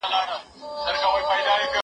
هغه څوک چي جواب ورکوي پوهه زياتوي،